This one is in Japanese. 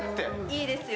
いいですよ